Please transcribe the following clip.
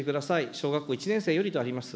小学校１年生よりとあります。